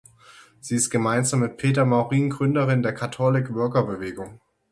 Sie ist gemeinsam mit Peter Maurin Gründerin der Catholic-Worker-Bewegung.